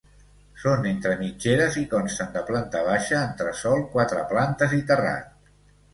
Són entre mitgeres i consten de planta baixa, entresòl, quatre plantes i terrat.